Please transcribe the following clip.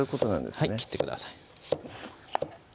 はい切ってください